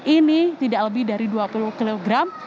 ini tidak lebih dari dua puluh kilogram